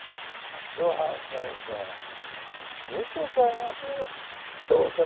露伴先生見せちゃいましょうよッ。